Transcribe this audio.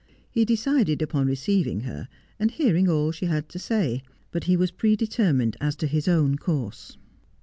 He decided upon receiving her, and hearing all she had to say ; but he was pre determined as to his own course.